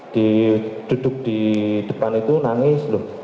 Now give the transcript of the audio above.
duduk di depan itu nangis lho